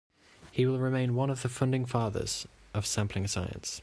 He will remain one of the funding fathers of sampling science.